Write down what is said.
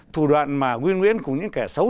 thủ đoạn mà huyên nguyên cùng những kẻ xấu